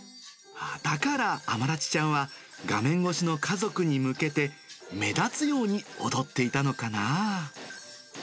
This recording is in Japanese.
だからアマラチちゃんは画面越しの家族に向けて、目立つように踊っていたのかな。